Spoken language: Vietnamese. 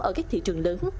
ở các thị trường lớn